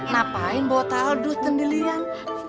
ngapain bawa taldus sendilian